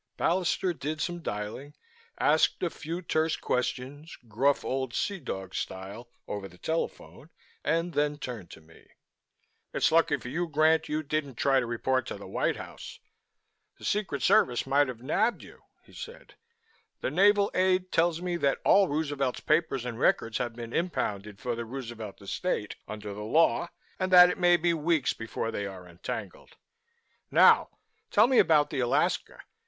Ballister did some dialing, asked a few terse questions gruff old sea dog style over the telephone and then turned to me. "It's lucky for you, Grant, you didn't try to report to the White House. The Secret Service might have nabbed you," he said. "The Naval Aide tells me that all Roosevelt's papers and records have been impounded for the Roosevelt Estate under the law and that it may be weeks before they are untangled. Now, tell me about the Alaska.